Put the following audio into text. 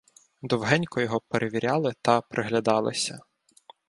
Довгенько його перевіряли та приглядалися.